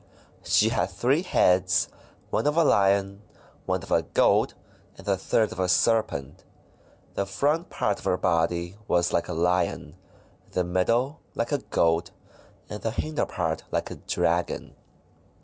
She had three heads, — one of a Lion, one of a Goat, and the third of a Serpent. The front part of her body was like a Lion, the middle like a Goat, and the hinderpart like a Dragon.